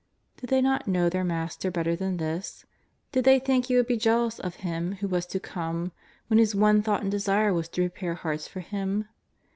'' Did they not know their master better than this ? Did they think he would be jealous of Him who was to come, when his one thought and desire was to prepare hearts for Him